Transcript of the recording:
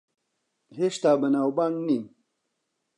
هێشتا بەناوبانگ نیم.